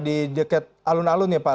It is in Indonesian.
di jaket alun alun ya pak